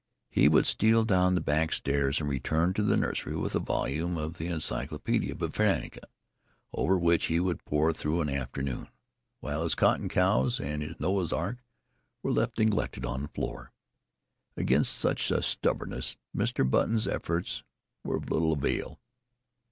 He would steal down the back stairs and return to the nursery with a volume of the Encyclopedia Britannica, over which he would pore through an afternoon, while his cotton cows and his Noah's ark were left neglected on the floor. Against such a stubbornness Mr. Button's efforts were of little avail.